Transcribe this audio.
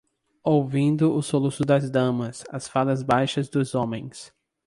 ouvindo os soluços das damas, as falas baixas dos homens